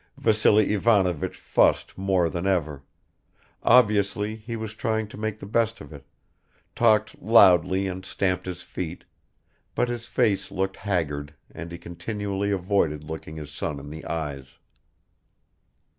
Vassily Ivanovich fussed more than ever; obviously he was trying to make the best of it, talked loudly and stamped his feet, but his face looked haggard and he continually avoided looking his son in the eyes.